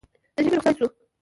د ژمي روخصت پېل شو